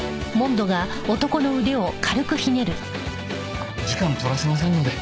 お時間取らせませんので。